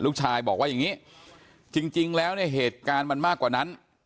ลูกชายบอกว่าอย่างนี้จริงแล้วเนี่ยเหตุการณ์มันมากกว่านั้น